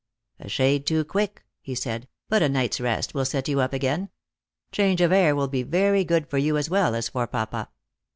" A shade too quick," he said ;" but a night's rest will set yon up again. Change of air will be very good for you as well as for papa."